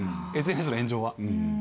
ＳＮＳの炎上は。